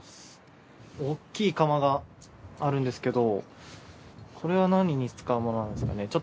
大きい釜があるんですけどこれは何に使うものなんですかね？